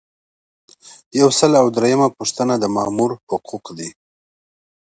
یو سل او دریمه پوښتنه د مامور حقوق دي.